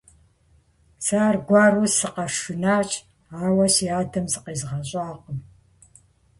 Сэ аргуэру сыкъэшынащ, ауэ си адэм зыкъезгъэщӀакъым.